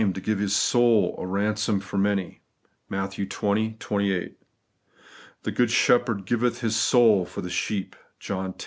to give His soul a ransom for many ' (Matt. XX. 28); 'The good Shepherd giveth His soul for the sheep' (John x.